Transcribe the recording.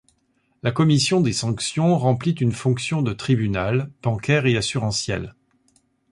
La Commission des sanctions remplit une fonction de tribunal, bancaire et assurantiel.